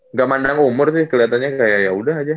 nggak mandang umur sih keliatannya kayak yaudah aja